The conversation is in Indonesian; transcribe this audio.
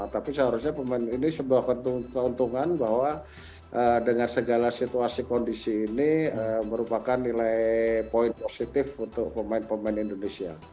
tapi seharusnya pemain ini sebuah keuntungan bahwa dengan segala situasi kondisi ini merupakan nilai poin positif untuk pemain pemain indonesia